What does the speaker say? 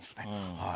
はい。